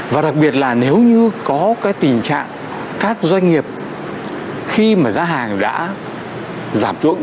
và đặc biệt là nếu như có cái tình trạng các doanh nghiệp khi mà giá hàng đã giảm xuống